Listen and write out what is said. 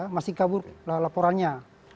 masih kabur laporannya